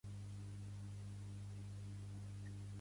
Cada cop hi fan més programes de telerealitat.